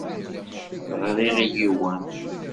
Ɣriɣ yiwen.